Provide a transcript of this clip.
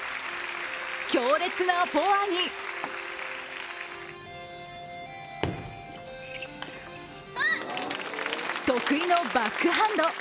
強烈なフォアに得意のバックハンド。